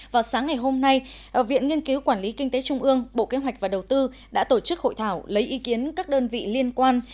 vào sáng ngày hôm nay viện nghiên cứu quản lý kinh tế trung ương bộ kế hoạch và đầu tư đã tổ chức hội thảo lấy ý kiến các đơn vị liên quan